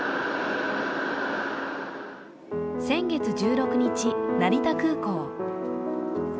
先月１６日、成田空港。